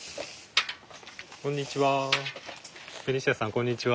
こんにちは。